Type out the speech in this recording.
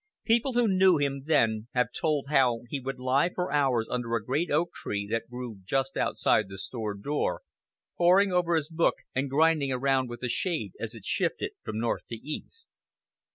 People who knew him then have told how he would lie for hours under a great oak tree that grew just outside the store door, poring over his book, and "grinding around with the shade" as it shifted from north to east.